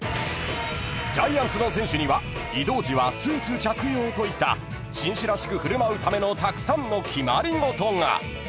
［ジャイアンツの選手には移動時はスーツ着用といった紳士らしく振る舞うためのたくさんの決まり事が］